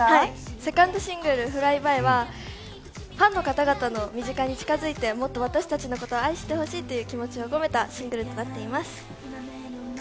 セカンドシングルのＦＬＹ−ＢＹはファンの方々の身近に近づいてもっと私たちのことを愛してほしいという気持ちを込めたシングルです。